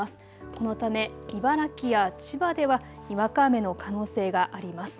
このため茨城や千葉ではにわか雨の可能性があります。